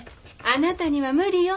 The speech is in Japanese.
・あなたには無理よ。